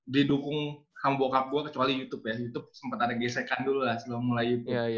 didukung oleh bapak saya kecuali youtube youtube sempat ada gesekan dulu sebelum youtube